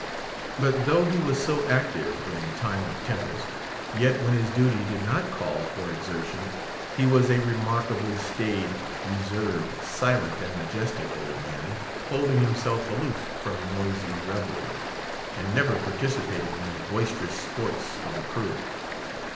But though he was so active in time of tempest, yet when his duty did not call for exertion, he was a remarkably staid, reserved, silent, and majestic old man, holding himself aloof from noisy revelry, and never participating in the boisterous sports of the crew.